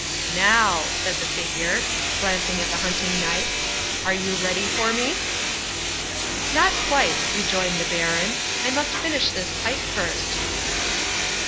'"Now," said the figure, glancing at the hunting knife, "are you ready for me?" '"Not quite," rejoined the baron; "I must finish this pipe first."